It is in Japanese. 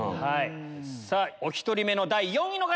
さぁお１人目の第４位の方！